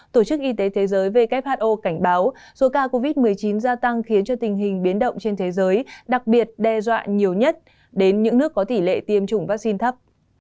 tổ chức y tế thế giới who cảnh báo số ca covid một mươi chín gia tăng khiến cho tình hình biến động trên thế giới đặc biệt đe dọa nhiều nhất đến những nước có tỷ lệ tiêm chủng vaccine thấp